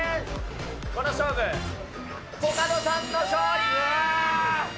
この勝負、コカドさんの勝利。